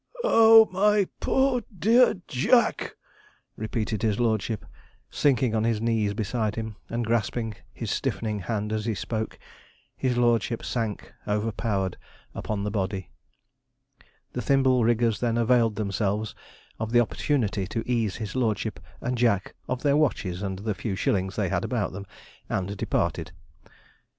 'Oh, my poor dear Jack!' repeated his lordship, sinking on his knees beside him, and grasping his stiffening hand as he spoke. His lordship sank overpowered upon the body. The thimble riggers then availed themselves of the opportunity to ease his lordship and Jack of their watches and the few shillings they had about them, and departed.